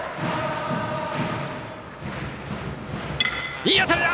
いい当たりだ！